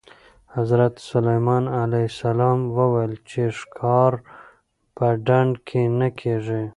حضرت سلیمان علیه السلام وویل چې ښکار په ډنډ کې نه کېږي.